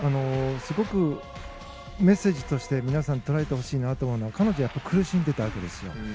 すごくメッセージとして皆さん捉えてほしいなと思うのは彼女はやっぱり苦しんでいたわけですよ。